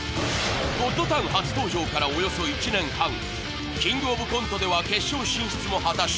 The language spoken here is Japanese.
「ゴッドタン」初登場からおよそ１年半「キングオブコント」では決勝進出も果たし